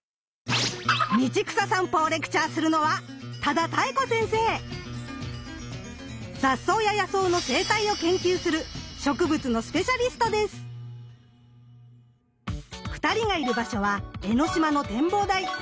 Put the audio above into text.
道草さんぽをレクチャーするのは雑草や野草の生態を研究する二人がいる場所は江の島の展望台。